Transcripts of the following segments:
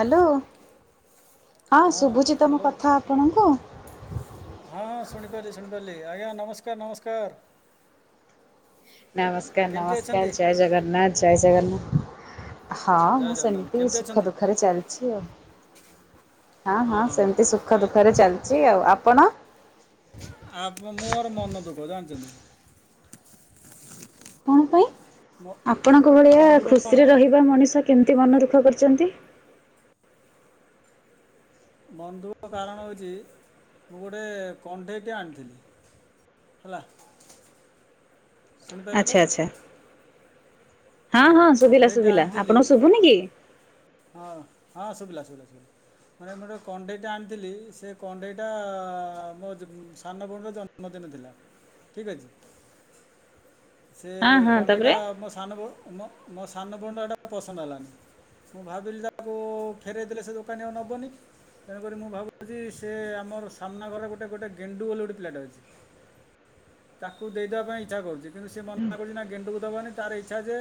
Hello ହଁ ଶୁଭୁଚିତ ମୋ କଥା ଆପଣଙ୍କୁ? ହଁ ଶୁଣିପାରିଲି ଶୁଣିପାରିଲି ଆଜ୍ଞା ନମସ୍କାର ନମସ୍କାର। ନମସ୍କାର କେମିତି ଅଛନ୍ତି ନମସ୍କାର ଜୟ ଜଗନ୍ନାଥ ଜୟ ଜଗନ୍ନାଥ। ହଁ ଜୟ ମୁଁ ଜଗନ୍ନାଥ ସେମତି କେମିତି ସୁଖ ଅଛନ୍ତି ଦୁଃଖରେ ଚାଲିଛି ଆଉ। ହଁ ହଁ ସେମିତି ସୁଖ ଆ- ଦୁଃଖରେ ଚାଲିଛି ଆଉ ଆପଣ ଆପ ମୋର ମନ ଦୁଃଖ ଜାଣିଛନ୍ତି। କଣ ପାଇଁ ମୋ ଆପଣଙ୍କ ଭଳିଆ ମନ ଦୁଃଖ କ'ଣ ଖୁସିରେ ରହିବା ମଣିଷ କେମତି ମନ ଦୁଃଖ କରିଛନ୍ତି? ମନ ଦୁଃଖ କାରଣ ହେଉଛି ମୁଁ ଗୋଟିଏ କଣ୍ଢେଇଟିଏ ଆଣିଥିଲି। ହେଲା ଶୁଣିପାରିଲେ ଆଚ୍ଛା ତ ଆଚ୍ଛା ହଁ ହଁ ଶୁଭିଲା କଣ୍ଢେଇଟେ ଶୁଭିଲା ଆଣିଥିଲି ଆପଣକୁ ଶୁଭୁନି କି? ହଁ ହଁ ଶୁଭିଲା ଶୁଭିଲା ଶୁଭିଲା। ମାନେ ମୁଁ ଗୋଟେ କଣ୍ଢେଇଟା ଆଣିଥିଲି ସେ କଣ୍ଢେଇଟା ମୋ ସାନ ଭଉଣୀର ଜନ୍ ଜନ୍ମଦିନ ଥିଲା ଠିକ୍ ଅଛି। [unintelligible] ସେ ହଁ ହଁ ତାପରେ କଣ୍ଡେଇଟା ମୋ ସାନ ବୋହୁ ମୋ ସାନଭଉଣିକୁ ପସନ୍ଦ ହେଲାନି। ମୁଁ ଭାବିଲି ଯାହାକୁ ଫେରଇ ଦେଲେ ସେ ଦୋକାନୀ ଆଉ ନବନି। ତେଣୁକରି ମୁଁ ଭାବୁଛି ସେ ଆମର ସାମ୍ନା ଘର ଗୋଟେ ଗୋଟେ ଗେଣ୍ଡୁ ବୋଲି ଗୋଟେ ପିଲାଟେ ଅଛି। ତାକୁ ଦେଇଦବା ପାଇଁ ଇଚ୍ଛା କରୁଛି କିନ୍ତୁ ସେ ମନା କରୁଛି ନା ଗେଣ୍ଡୁକୁ ଦେବନି ତାର ଇଚ୍ଛା ଯେ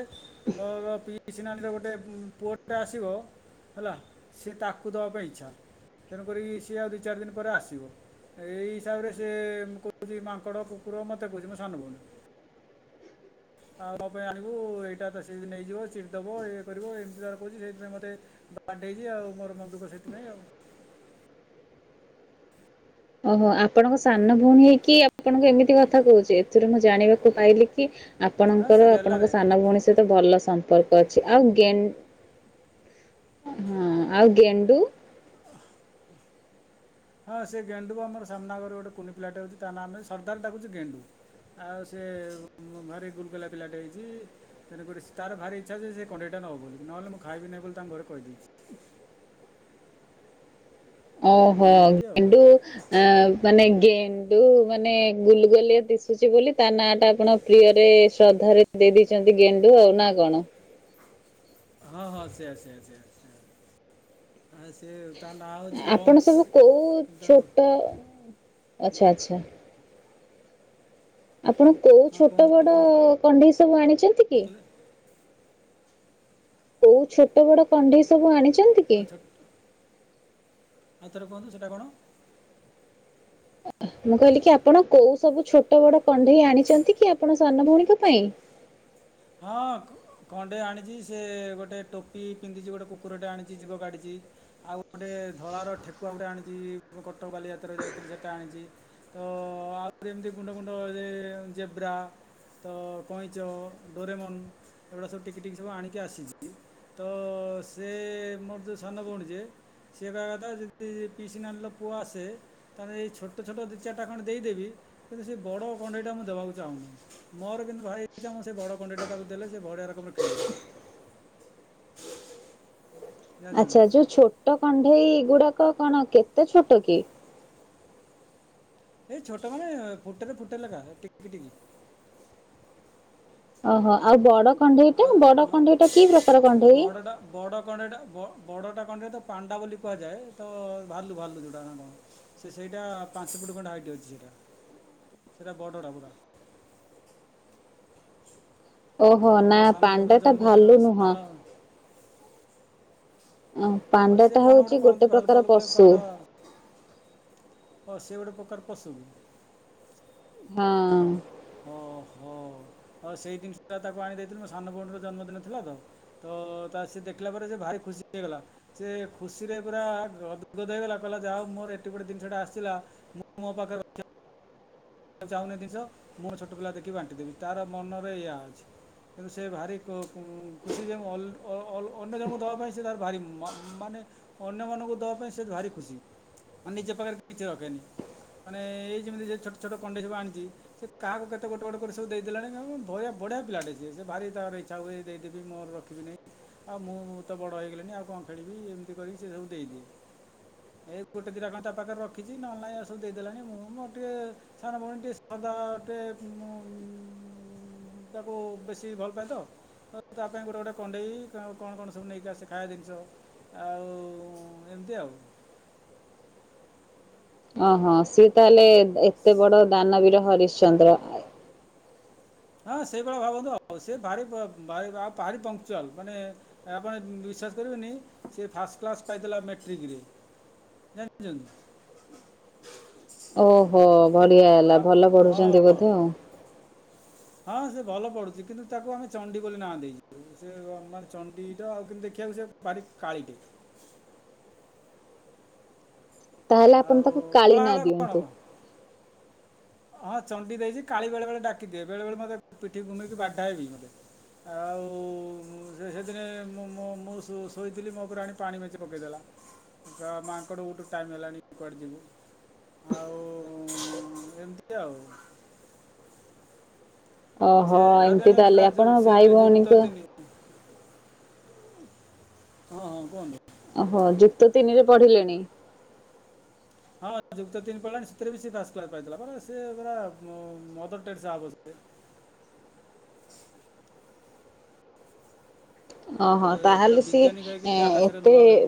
ମୋର ପିସି ନାନିର ଗୋଟେ ପୁଅ ଆସିବ ହେଲା ସିଏ ତାକୁ ଦବା ପାଇଁ ଇଚ୍ଛା। ତେଣୁକରି ସିଏ ଆଉ ଦିଚାରି ଦିନ ପରେ ଆସିବ। ଏଇ ହିସାବରେ ସେ ମୁଁ କହୁଛି ମାଙ୍କଡ଼ କୁକୁର ମୋତେ କହୁଛି ମୋ ସାନ ଭଉଣୀ। ଆଉ ମୋ ପାଇଁ ଆଣିବୁ ଏଇଟା ତ ସେ ନେଇଯିବ ଚିରି ଦେବ ଏଇୟା କରିବ ଏମିତିତାର କହୁଛି ସେଥିପାଇଁ ମୋତେ ବାଣ୍ଟେଇଛି ଆଉ ମୋର ମନଦୁଖ ସେଥିପାଇଁ ଆଉ। ଓହୋ ଆପଣଙ୍କ ସାନ ଭଉଣୀ ହେଇକି ଆପଣଙ୍କୁ ଏମିତି କଥା କହୁଛି ଏଥିରେ ମୁଁ ଜାଣିବାକୁ ପାଇଲି କି ହଁ ସେ ଆପଣଙ୍କର ଗେଲାରେ ଆପଣଙ୍କ ସାନ ଭଉଣୀ ସହିତ ଭଲ ସମ୍ପର୍କ ଅଛି ଆଉ ଗେନ ହଁ ଆଉ ଗେଣ୍ଡୁ। [unintelligible] ହଁ ସେ ଗେଣ୍ଡୁ ଆମର ସାମନା ଘର ଗୋଟେ କୁନି ପିଲାଟେ ଅଛି ତା ନାଁ ସରଦାର୍ ଡାକୁଚି ଗେଣ୍ଡୁ। ଆଉ ସେ ଭାରି ଗୁଲଗୁଲା ପିଲାଟେ ହେଇଛି। ତେଣୁକରି ତାର ଭାରି ଇଛା ଯେ ସେ କଣ୍ଢେଇଟା ନବ ବୋଲି ନହେଲେ ମୁଁ ଖାଇବିନି ବୋଲି ତାଙ୍କଘରେ କହିଦେଇଛି। ଓହୋ ଏମିତି ଆଉ ଗେଣ୍ଡୁ ଆ ମାନେ ଗେଣ୍ଡୁ ଗେଣ୍ଡୁ ମାନେ ଗୁଲଗୁଲିଆ ଦିଶୁଛି ବୋଲି ତା ନାଁ ଟା ଆପଣ ପ୍ରିୟରେ ଶ୍ରଦ୍ଧାରେ ଦେଇ ଦେଇଛନ୍ତି ଗେଣ୍ଡୁ ଆଉ ନା କଣ। ହଁ ହଁ ସେଆ ସେଆ ସେଆ ନା ସେ ତା ନାଁ ହେଉଛି ଆପଣ ଅଂଶ ସବୁ କୋଉ କିନ୍ତୁ ତାକୁ ଛୋଟ ଆଚ୍ଛା ଆଚ୍ଛା। ଆପଣ କୋଉ ହଁ ଛୋଟ କୁହନ୍ତୁ ବଡ କଣ୍ଢେଇ ସବୁ ଆଣିଛନ୍ତି? କଣ କି? କହିଲେ? କୋଉ ଛୋଟ ବଡ କଣ୍ଢେଇ ସବୁ ଆଣିଛନ୍ତି? କି? ଆଚ୍ଛା ଆଉ ଥରେ କୁହନ୍ତୁ ସେଇଟା କଣ? ମୁଁ କହିଲି କି ଆପଣ କୋଉ ସବୁ ଛୋଟ ବଡ କଣ୍ଢେଇ ଆଣିଛନ୍ତି କି ଆପଣ ସାନ ଭଉଣୀଙ୍କ ପାଇଁ? ହଁ। କଣ୍ଢେଇ ଆଣିଛି ସେ ଗୋଟେ ଟୋପି ପିନ୍ଧିଛି ଗୋଟେ କୁକୁରଟେ ଆଣିଛି ଯିଵକାଢିଛି। ଆଉ ଗୋଟେ ଧଳାର ଠେକୁଆ ଗୋଟେ ଆଣିଛି କଟକଵାଲି ଯାତ୍ରାରେ ଯାଇଥିଲି ସେଇଟା ଆଣିଛି। ତ ଆହୁରି ଏମିତି ଗୁଣ୍ଡ ଗୁଣ୍ଡ ଜେବ୍ରା ତ କଇଁଚ ଡୋରେମନ ଏଗୁଡା ସବୁ ଟିକି ଟିକ ସବୁ ଆଣିକି ଆସିଛି। ତ ସେ ମୋର ଯୋଉ ସାନ ଭଉଣୀ ଯେ ସେ କହିବା କଥା ଯଦି ପିସିନାନିର ପୁଅ ଆସେ ତାହେଲେ ଏଇ ଛୋଟ ଛୋଟ ଦିଚାଟା ଖଣ୍ଡ ଦେଇଦେବି କିନ୍ତୁ ସେ ବଡ଼ କଣ୍ଢେଇଟା ମୁଁ ଦେବାକୁ ଚାହୁଁନି। ମୋର କିନ୍ତୁ ଭାରି ଇଛା ସେ ବଡ କଣ୍ଡେଇଟା ତାକୁ ଦେଲେ ସେ ବଢ଼ିଆର କମର ଖେଳିବ। ଜାଣିଛନ୍ତି ଆଚ୍ଛା ଯୋଉ ଛୋଟ କଣ୍ଢେଇ ଗୁଡାକ କଣ କେତେ ଛୋଟ କି? ଏଇ ଛୋଟ ମାନେ ଫୁଟରେ ଫୁଟ ଲେଖା ଟିକି ଟିକି। ଓହୋ ଆଉ ବଡ କଣ୍ଢେଇଟା ଆଉ ବଡ ହଁ, କଣ୍ଢେଇ ଟା କି ପ୍ରକାର କଣ୍ଢେଇ? ବଡ଼ଟା ବଡ଼ କଣ୍ଢେ ଲଇଟା ବଡ଼ଟା କଣ୍ଢଇତ ପାଣ୍ଡା ବୋଲି କୁହାଯାଏ ତ ଭାଲୁ ଭାଲୁ ଯଉଟା ନା କଣ? ସିଏ ସେଇଟା ପାଞ୍ଚ ଫୁଟ ଖଣ୍ଡେ ହାଇଟ ଅଛି ସେଇଟା ସେଇଟା ବଡଟା ପୁରା। ଓହୋ ହଁ ନା ମୋ ସାନ ଭଉଣୀର ପାଣ୍ଡା ଟା ଜନ୍ମଦିନ ଭାଲୁ ସାନ ନୁହଁ। ଅ ହଁ ପାଣ୍ଡା ସେ ଟା କ'ଣ ହଉଛି କହନ୍ତି ଗୋଟେ ଭାଲୁ ଫାଲୁ ପ୍ରକାର ଗୋଟେ ପଶୁ। ହଁ ସେ ଗୋଟେ ପ୍ରକାର ପଶୁ। ହଁ। ଓହୋ ଆଉ ସେଇ ଜିନିଷଟା ତାକୁ ଆଣି ଦେଇଥିଲି ମୋ ସାନ ଭଉଣୀର ଜନ୍ମଦିନ ଥିଲା ତ। ତ ତା ସେ ଦେଖିଲା ପରେ ସେ ଭାରି ଖୁସି ହେଇଗଲା। ସେ ଖୁସିରେ ପୁରା ଗଦ ଗଦ ହେଇଗଲା କହିଲା ଯାହୋଉ ମୋର ଏତେ ଗୋଟେ ଜିନିଷଟା ଆସିିଲା। ମୁଁ ମୋ ପାଖରେ ରଖିବା ଚାହୁଁନି ଜିନିଷ ମୁଁ ଛୋଟ ପିଲା ଦେଖି ବାଣ୍ଟି ଦେବି ତାର ମନରେ ଏଇଆ ଅଛି। କିନ୍ତୁ ସେ ଭାରି ଖୁସି ଯେ ଅ ଅନ୍ୟ ଜଣଙ୍କୁ ଦେବା ପାଇଁ ସେ ତାର ଭାରି ମାନେ ଅନ୍ୟମାନଙ୍କୁ ଦବା ପାଇଁ ସେ ଭାରି ଖୁସି। ମା ନିଜେ ପାଖରେ କିଛି ରଖେନି ମାନେ ଏଇ ଯେମିତି ଛୋଟ ଛୋଟ କଣ୍ଡେଇ ସବୁ ଆଣିଚି। ସେ କାହାକୁ କେତେ ଗୋଟେ ଗୋଟେ କରି ସବୁ ଦେଇ ଦେଲାଣି ବହିଆ ବଢିଆ ପିଲାଟେ ସେ ସେ ଭାରି ତାର ଇଛା ହୁଏ ଦେଇଦେବି ମୋର ର ଦେବି ନାହିଁ ଆଉ ମୁଁ ମୁଁ ତ ବଡ଼ ହେଇଗଲିଣିି ଆଉ କଣ ଖେଳିବି ଏମିତି କରିକି ସେ ସବୁ ଦେଇଦିଏ। ଏ ଗୋଟେ ଦିଟା ତା କଣ ପାଖରେ ରଖିଛି ନଲେ ନାଇଁ ଏ ସବୁ ଦେଇ ଦେଲାଣି ମୁଁ ମୋର ଟିକେ ସାନ ଭଉଣୀ ଟେ ସାଧାଟେ ମୁଁ ମୁଁ ତାକୁ ବେଶୀ ଭଲ ପାଏ ତ? ତ ତା ପାଇଁ ଗୋଟେ ଗୋଟେ କଣ୍ଡେଇ କଣ କଣ ସବୁ ନେଇକି ଆସେ ଖାଇବା ଜିନିଷ। ଆଉ ଏମ୍ ତି ଆଉ। ଅଁ ହଁ ସିଏ ତାହେଲେ ଏତେ ବଡ ଦାନବୀର ହରିଶ୍ଚନ୍ଦ୍ର। ହଁ ସେଇଭଳ ଭାବନ୍ତୁ ଆଉ ସେ ଭାରି ଭାରି ପଞ୍ଚୁଆଲ ମାନେ ଆପଣ ବିଶ୍ୱାସ କରିବେନି ସେ ଫାଷ୍ଟ କ୍ଲାସ୍ ପାଇଥିଲା ମେଟ୍ରିକିରେ। [inaudible] ଓହୋ ବଢିଆ ହେଲା ଆ- ଭଲ ପଢ଼ୁଛନ୍ତି ହଁ ବୋଧେ ଆଉ। ହଁ ସେ ଭଲ ପଡୁଛି କିନ୍ତୁ ତାକୁ ଆମେ ଚଣ୍ଡି ବୋଲି ନା ଦେଇଛୁ। ସେ ମାନେ ଚଣ୍ଡିଟା ଆଉ କିନ୍ତୁ ଦେଖିବାକୁ ସେ ଭାରି କାଳିଟେ। ତାହେଲେ ଆପଣ ଆଉ ତାକୁ କାଳି କଳା ନା ହେଲା କ'ଣ ଦିଅନ୍ତେ। ହେବ ହଁ ଚଣ୍ଡି ଦେଇଚି କାଳି ବେଳେ ବେଳେ ଡାକି ଦିଏ ବେଳେ ବେଳେ ମତେ ପିଠି ଘୁମେଇକି ବାଢାଏ ବି ମତେ। ଆଉ ସେ ସେଥିରେ ମୁଁ ମୁଁ ମୁଁ ସୋ ଶୋଇଥିଲି ମୋ ଉପରେ ଆଣି ପାଣି ମେଞ୍ଚେ ପକେଇଦେଲା। ଗାଁ ମାଙ୍କଡ ଗୋଟେ ଟାଇମ୍ ହେଲାଣି କୁଆଡ଼େ ଯିବୁ ଆଉ ଏମ୍ ତି ଆଉ। ସେ ଓହୋ [unintelligible] ଆଦ ଏମିତି ତାହେଲେ ପୁରା ଆପଣ ଭାଇ ସେବେ ଯୁକ୍ତ ଭଉଣୀଙ୍କ ତିନିି। ହଁ ହଁ କୁହନ୍ତୁ। ଓହୋ ଯୁକ୍ତ ତିନି ରେ ପଢିଲେଣି। ହଁ ଯୁକ୍ତ ତିନି ପଲାଣି ସେଥିରେ ବି ସିଏ ଫାଷ୍ଟ କ୍ଲାସ୍ ପାଇଥିଲା ସେ ପୁରା ମଦର ଟେରେସା ହବ ସେ ଅ ସେ ହ ପୁରା ତାହେଲେ ବିଜ୍ଞାନିକ ହେଇକି ସିଏ ଆକାଶରେ ଏତେ ଲୁହା ଉଡ଼େଇବ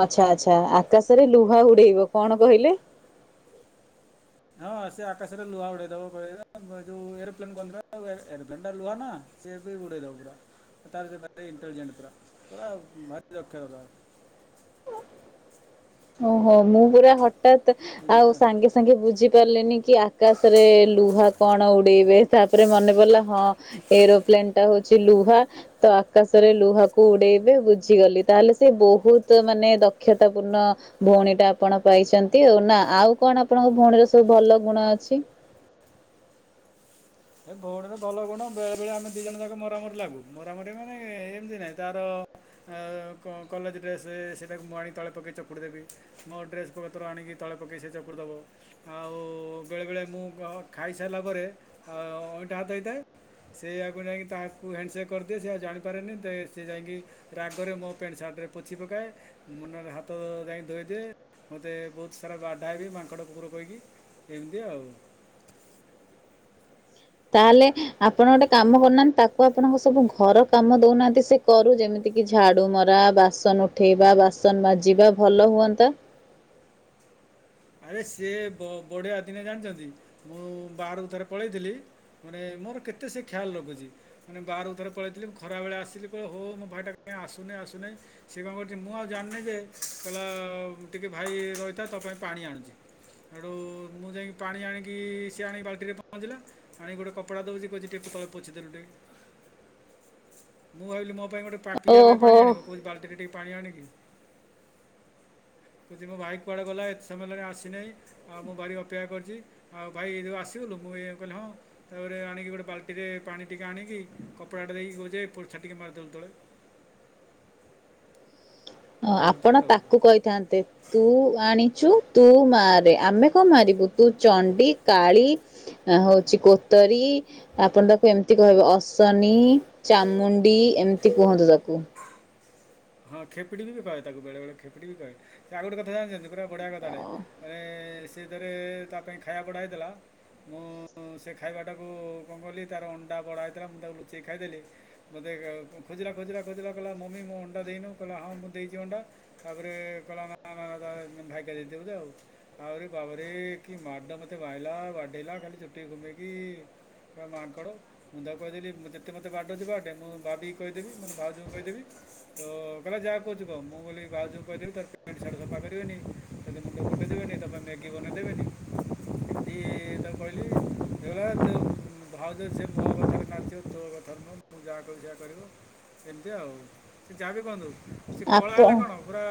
ଆଚ୍ଛା ଆଚ୍ଛା ଆକାଶରେ ଲୁହା ଉଡେଇବ କଣ କହିଲେ ହଁ ସେ ଆକାଶରେ ଲୁହା ଉଡେଇଦବ ଯୋଉ ଏରୋପ୍ଲେନ୍ କନ୍ତିନା ଏରୋପ୍ଲେନ ଟା ଲୁହା ନା। ସେ ଏବେ ଉଡ଼େଇ ଦେବ ପୁରା ତାର ସେ ଭାରି ଇଣ୍ଟେଲ୍ ଜେଣ୍ଟ ପୁରା ପୁରା ଭାରି ଦକ୍ଷତା ତାର। ଓହୋ ମୁଁ ପୁରା ହଠାତ୍ ଆଉ ସାଙ୍ଗେ ସାଙ୍ଗେ ବୁଝି କଅଲେନି କି ଆକାଶରେ ଲୁହା କଣ ଉଡେଇବେ ତାପରେ ମନେ ପଡ଼ିଲା ହଁ ଏରୋପ୍ଲେନ୍‌ ଟା ହଉଛି ଲୁହା ତ ଆକାଶରେ ଲୁହାକୁ ଉଡେଇବେ ବୁଝିଗଲି। ତାହେଲେ ସେ ବହୁତ ମାନେ ଦକ୍ଷତା ପୂର୍ଣ୍ଣ। ଭଉଣୀ ଟା ଆପଣ ପାଇଛନ୍ତି ଆଉ ନା ଆଉ କଣ ଆପଣଙ୍କ ଭଉଣୀର ସବୁ ଭଲ ଗୁଣ ଅଛି। ଏ ଭଉଣୀର ଭଲ ଗୁଣ ବେଳେ ବେଳେ ଆମେ ଦି ଜଣ ଯାକ ମରାମରି ଲାଗୁ ମରାମରି ମାନେ ଏମିତି ନାହିଁ ତାର କଲେଜ ଡ୍ରେସ ସେଇଟାକୁ ମୁଁ ଆଣି ତଳେ ପକେଇ ଚକୁଡ଼ିଦେବି। ମୋ ଡ୍ରେସ ପତର ଆଣିକି ତଳେ ପକେଇ ସେ ଚକୁଡିଦବ। ଆଉ ବେଳେ ବେଳେ ମୁଁ କହ ଖାଇସାରିଲା ପରେ ଆ ଅଇଁଠା ହାତ ହେଇଥାଏ। ସେୟାକୁ ଯାଇକି ତା ହାତକୁ ହ୍ୟାଣ୍ଡସେକ୍ କରିଦିଏ ସେ ଆ ଜାଣିପାରେନି ତେ ସେ ଯାଇକି ରାଗରେ ମୋ ପ୍ୟାଣ୍ଟ ସାର୍ଟରେ ପୋଛି ପକାଏ। ମୁନରେ ହାତ ଯାଇ କି ଧୋଇଦିଏ ମୋତେ ବହୁତ ସାରା ବାଡାଏ ବି ମାଙ୍କଡ଼ କୁକୁର କହିକି। ଏମିତି ଆଉ। ତାହେଲେ ଆପଣ ଟେ କାମ କରୁନା ତାକୁ ଆପଣଙ୍କ ସବୁ ଘର କାମ ଦେଉନାହାନ୍ତି ସେ କରୁ ଯେମିତି କିି ଝାଡୁ ମରା ବାସନ ଉଠେଇବା ବାସନ ମାଜିବା ଭଲ ହୁଅନ୍ତା। ଆରେ ସିଏ ବ ବଢିଆ ଦିନେ ଜାଣିଚନ୍ତି ମୁଁ ବାରକୁ ଥରେ ପଳେଇଥିଲି ମାନେ ମୋର କେତେ ସେ ଖ୍ୟାଲ ରଖୁଛି। ମାନେ ବାରକୁ ଥରେ ପଳେଇଥିଲି ମୁଁ ଖରାବେଳେ ଆସଲି ଓହୋ ମୋ ଭାଇଟା କିଆଁ ଆସୁନି ଆସୁନି ସେ କଣ କରୁଛି ମୁଁ ଆଉ ଜାଣିନି ଯେ କହିଲା ଟିକେ ଭାଇ ରହିଥାଏ ତୋ ପାଇଁ ପାଣି ଆଣୁଚି। ହେଠୁ ମୁଁ ଯାଇକି ପାଣି ଆଣିକି ସିଏ ଆଣିକି ବାଲ୍ଟିରେ ପହଞ୍ଚିଲା। ଆଣି ଗୋଟେ କପଡ଼ା ଦଉଛି କହୁଛିି ଟିକେ ତଳେ ପୋଛି ଦେଲୁ ଟିକେ। [unintelligible] ମୁଁ ଭାବିଲି ମୋ ପାଇଁ ଗୋଟେ ପିଇବା ପାଇଁ ପାଣି ଆଣିବ କହୁଛି ବାଲଟିରେ ଟିକେ ପାଣି ଆଣିବି? ହ [inaudible] ମୋ ଭାଇ କୁଆଡେ ଗଲା, ଏତେ ସମୟ ହେଲା ଆସିନାହିଁ। ଆଉ ମୁଁ ଭାରି ଅପେକ୍ଷା କରିଛି, ଆଉ ଭାଇ ତୁ ଆସିଗଲୁ ମୁଁ କହିଲି ହଁ। ତାପରେ ଆଣିକି ଗୋଟେ ବାଲ୍ଟିରେ ପାଣି ଟିକେ ଆଣିକି, କପଡ଼ାଟା ଦେଇକି କହୁଛି, ପୋର୍ଛା ଟିକେ ମାରିଦେଲୁ ତଳେ। ହ ଏମିତି ଆପଣ ଆଉ ତାକୁ କହିଥାନ୍ତେ। ତୁ ଆଣିଛୁ, ତୁ ମାରେ, ଆମେ କଣ ମାରିବୁ ତୁ ଚଣ୍ଡି, କାଳି। ନାଆଁ ହଉଛି କୋତରୀ। ଆପଣ ତାକୁ ଏମିତି କହିବେ, ଅଶନୀ, ଚାମୁଣ୍ଡି ଏମିତି କୁହନ୍ତୁ ତାକୁ। ହଁ ଖେପିଡି ବି କହେ, ତାକୁ ବେଳେ ବଳେ ଖେପିଡ଼ି ବି କହେ, ସେ ଆଉ ଗୋଟେ କଥା ଜାଣିଛନ୍ତି ପୁରାବଢ଼ିଆ କଥା ଟେ, ମାନେ ସେ ଥରେ ତା ପାଇଁ ଖାଇବା ବଡା ହେଇଥିଲା ମୁଁ ସେ ଖାଇବାଟାକୁ କଣ କଲି ତାର ଅଣ୍ଡା ବଢା ହୋଇଥିଲା, ମୁଁ ତାକୁ ଲୁଚେଇ ଖାଇଦେଲି ମୋତେ ଖୋଜିଲା ଖୋଜିଲା ଖୋଜିଲା କହିଲା, ମମି ମୋ ଅଣ୍ଡା ଦେଇନୁ କହିଲା ହଁ ମୁଁ ଦେଇଛି ଅଣ୍ଡା ତାପରେ କହିଲା, ନା ଭାଇ କି ଦେଇଥିବ ବୋଧେ ଆଉ। ଆଉରି ବାବରେ କି ମାଡ ମୋତେ ମାଇଲା, ବାଡେଇଲା, ଖାଲି ଚୁଟି ଘୁମେଇକି। ପୁରା ମାଙ୍କଡ ମୁଁ ତାକୁ କହିଦେଲି ତୁ ଯେତେ ମୋତେ ବାଡଉଛୁ ବା ଡେ ମୁଁ ଭାବିକି କହି ଦେବି ମୋ ଭାଉଜୀଙ୍କୁ କହିଦେବି। ତ କହିଲା ଯାହା କହୁଛି କହ ତ ମୁଁ କହିଲି ଭାଉଜଙ୍କୁ କହିଦେବି ତାର ପେଣ୍ଟ ସାଟ୍ ସଫା କରିବେନି। ହେଲେ ମୋେ ପଠାଇ ଦେେବେନି ତାପ ପାଇଁ ମ୍ୟାଗି ବନେଇ ଦେବେନି। ଏ ତାକୁ କହିଲି, ଏଗାର ଯୋଉ ଭାଉଜ ଯେ ମୋ କଥାରେ ନାଚିବ, ତୋକଥାରେ ନୁହଁ। ମୁଁ ଯାହା କହିବି, ସେଆ କରିବ ଏମିତି ଆଉ। ସେ ଯାାବି କୁହନ୍ତୁ, ସେ କଳା ଆପ ହେଲେ କଣ ପୁରା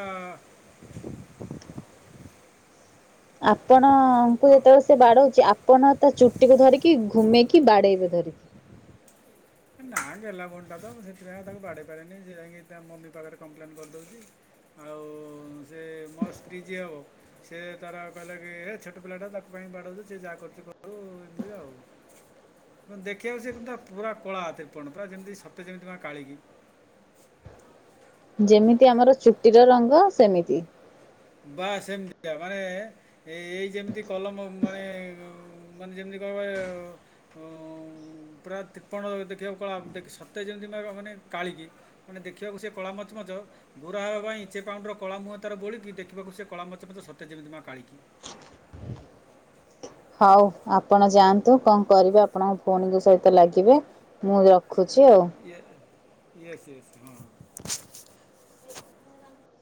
ଆପଣଙ୍କୁ ହଁ ଯେତେବେଳେ ସେ ବାଡଉଛି, ଆପଣ ତା ଚୁଟିକୁୁ ଧରିକି, ଘୁମେଇକି ବାଡେଇବେ ଧରିକି। ନାଁ ଗେହ୍ଲା ଭଉଣୀଟା ତ, ମୁଁ ସେଥିପାଇଁ ତାକୁ ବାଢେଇ ପାରେନି, ସେ ଯାଇକି ତା ମମି ପାଖରେ କମ୍ପ୍ଲେନ କରିଦଉଛି। ଆଉ, ସେ ମୋ ସ୍ତ୍ରୀ ଯିଏ ହେବ ସିଏ ତାର କହିଲା କି, ଏ ଛୋଟ ପିଲା ଟା ତାକୁ କାଇଁ ବାଡଉଛୁ, ସିଏ ଯାହା କରୁଛି କରୁ। ଦେଖିବାଆଉ, ଦେଖିବା ସିନଟା ପୁରା କଳାତିିପଣ୍ତପୁରା ଯେମିତି ସତେର ଯେମିତି କାଳିକି। ଯେମିତି ଆମର ଚୁଟିର ରଙ୍ଗ ସେମିତି। ବା ସେମିତିକା, ମାନେ ଏ ଏଇ ଯେମିତି କଲମ ମାନେ ମାନେ ଯେମିତି କହିବ ପୁରା ତ୍ରିପଣ୍ତ ଦେଖିବାକୁ କଳା, ସତେ ଯେମିତି ମାନେ କାଳିକି। ମାନେ ଦେଖିବାକୁ ସେ କଳା ମଚମଚ, ଗୋରା ହେବା ପାଇଁ, ମେଚେଁ ପାଉଡର କଳା ମୁହଁ ତାର ବୋଳିକି ଦେଖ ଦେଖିବକୁ ସେ କଳା ମଚ ମଚ ସତେଯେମିତି ମା କାଳିକି। ହଉ ଆପଣ ଯାଆନ୍ତୁ, କଣ କରିବେ ଆପଣଙ୍କ ଭଉଣୀଙ୍କ ସହିତ ଲାଗିବେ। ମୁଁ ରଖୁଛି ଆଉ। ଏୟ, ଇଏୟସ୍ ୟସ୍ ହଁ।